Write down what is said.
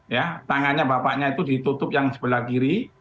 ya tangannya bapaknya itu ditutup yang sebelah kiri